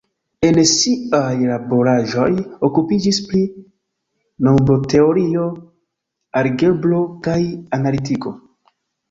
En siaj laboraĵoj okupiĝis pri nombroteorio, algebro kaj analitiko.